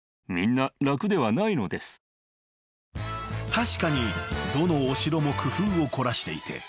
［確かにどのお城も工夫を凝らしていて］